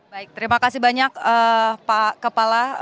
baik terima kasih banyak pak kepala